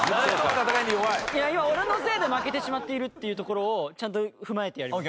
今俺のせいで負けてしまっているっていうところをちゃんと踏まえてやります。